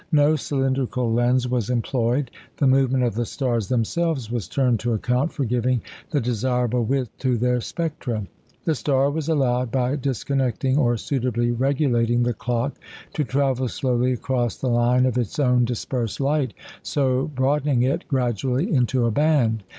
No cylindrical lens was employed. The movement of the stars themselves was turned to account for giving the desirable width to their spectra. The star was allowed by disconnecting or suitably regulating the clock to travel slowly across the line of its own dispersed light, so broadening it gradually into a band.